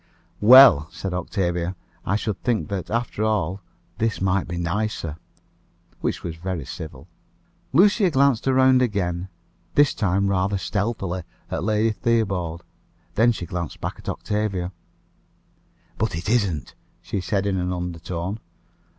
"Well," said Octavia, "I should think that, after all, this might be nicer." Which was very civil. Lucia glanced around again this time rather stealthily at Lady Theobald. Then she glanced back at Octavia. "But it isn't," she said, in an undertone.